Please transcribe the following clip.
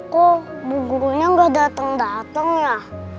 kok bu gurunya gak dateng dateng ya